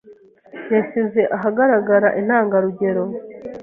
yashyize ahagaragara intangarugero